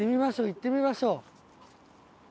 行ってみましょう！